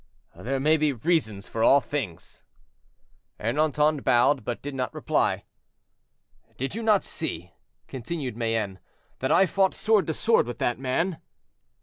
"There may be reasons for all things." Ernanton bowed, but did not reply. "Did you not see," continued Mayenne, "that I fought sword to sword with that man?"